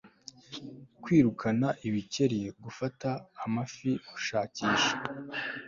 kwirukana ibikeri, gufata amafi, gushakisha